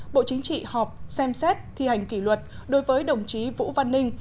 bộ chính trị họp xem xét thi hành kỷ luật đối với đồng chí vũ văn ninh